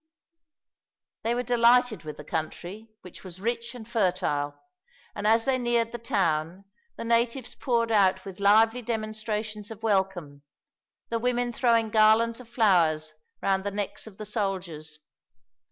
They were delighted with the country, which was rich and fertile; and as they neared the town, the natives poured out with lively demonstrations of welcome, the women throwing garlands of flowers round the necks of the soldiers.